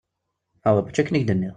Awah mačči akken i k-d-nniɣ!